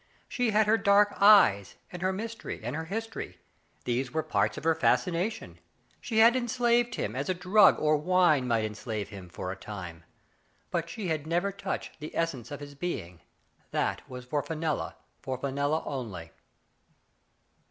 She had her dark eyes, and her mystery, and her history — these were parts of her fascination. She had en slaved him, as a drug or wine might enslave him, for a time ; but she had never touched the es sence of his being — that was for Fenella, for Fe nella only.